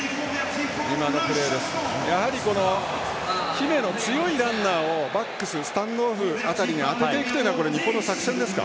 やはり姫野、強いランナーをバックス、スタンドオフ辺りに当てていくというのは日本の作戦ですか？